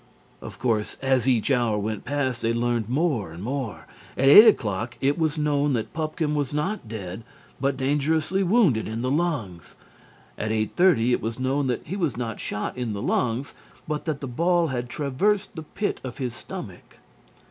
Of course as each hour went past they learned more and more. At eight o'clock it was known that Pupkin was not dead, but dangerously wounded in the lungs. At eight thirty it was known that he was not shot in the lungs, but that the ball had traversed the pit of his stomach.